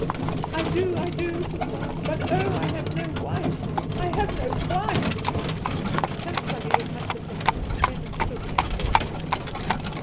"I do, I do!" he cried; "but oh, I have no wife! I have no wife!" Tant Sannie was much affected, and came and stood near the bed.